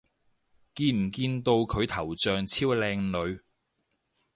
見唔見到佢頭像超靚女